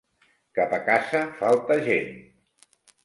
Cap a casa falta gent!